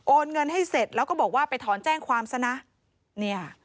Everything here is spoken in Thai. เงินให้เสร็จแล้วก็บอกว่าไปถอนแจ้งความซะนะเนี่ย